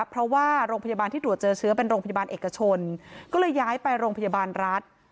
เพราะว่าโรงพยาบาลที่ตรวจเจอเชื้อเป็นโรงพยาบาลเอกชนก็เลยย้ายไปโรงพยาบาลรัฐ